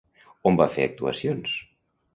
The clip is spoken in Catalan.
On va fer actuacions?